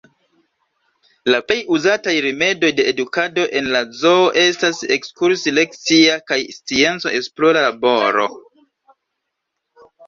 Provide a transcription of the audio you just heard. La plej uzataj rimedoj de edukado en la zoo estas ekskursi-lekcia kaj scienc-esplora laboro.